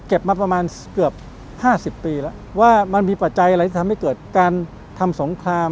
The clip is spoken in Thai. มาประมาณเกือบ๕๐ปีแล้วว่ามันมีปัจจัยอะไรที่ทำให้เกิดการทำสงคราม